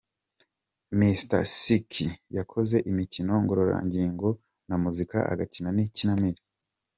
Mr Sek yakoze imikino ngororangingo na muzika, agakina n’ikinamico.